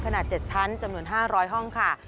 ขนาด๗ชั้นจำนวน๕๐๐ห้องค่ะ